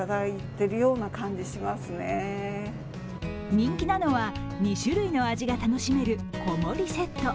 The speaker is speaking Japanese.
人気なのは２種類の味が楽しめる小盛りセット。